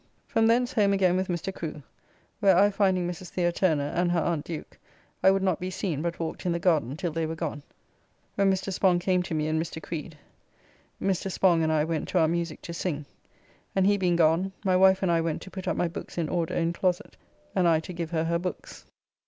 From thence home again with Mr. Crew, where I finding Mrs. The. Turner and her aunt Duke I would not be seen but walked in the garden till they were gone, where Mr. Spong came to me and Mr. Creed, Mr. Spong and I went to our music to sing, and he being gone, my wife and I went to put up my books in order in closet, and I to give her her books.